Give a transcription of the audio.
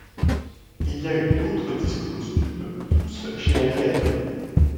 Il y a eu d'autres disques posthumes, tous chez Alligator.